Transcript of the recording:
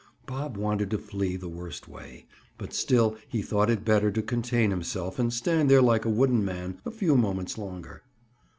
Bob wanted to flee the worst way, but still he thought it better to contain himself and stand there like a wooden man a few moments longer.